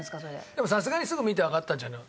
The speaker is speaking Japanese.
でもさすがにすぐ見てわかったんじゃない？